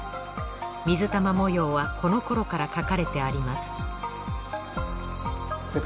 水玉模様はこのころから描かれてあります